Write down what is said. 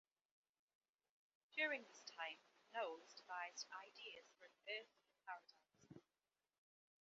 During this time Knowles devised ideas for an earthly paradise.